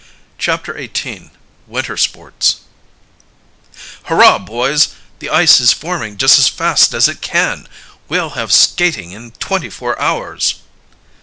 CHAPTER XVIII WINTER SPORTS "Hurrah, boys, the ice is forming just as fast as it can! We'll have skating in twenty four hours!"